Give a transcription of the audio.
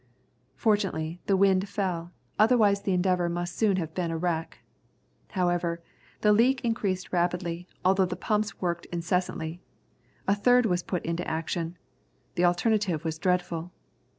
Fortunately the wind fell, otherwise the Endeavour must soon have been a wreck. However, the leak increased rapidly, although the pumps were worked incessantly. A third was put into action. The alternative was dreadful!